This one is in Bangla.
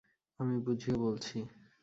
আমি বুঝিয়ে বলছি।